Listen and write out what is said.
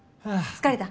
疲れた？